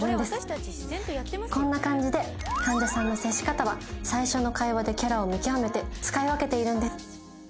こんな感じで患者さんの接し方は最初の会話でキャラを見極めて使い分けているんです。